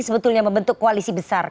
sebetulnya membentuk koalisi besar